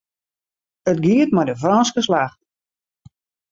It giet mei de Frânske slach.